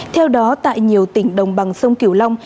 theo đó tại nhiều tỉnh đồng bằng sông kiểu long